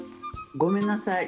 ごめんなさい。